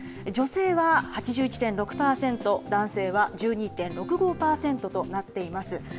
女性は８１．６％、男性は１２．６５％となっています。